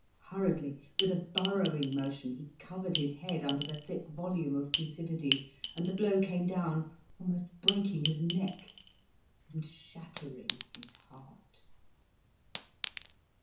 Hurriedly, with a burrowing motion, he covered his head under the thick volume of Thucydides, and the blow came down, almost breaking his neck, and shattering his heart.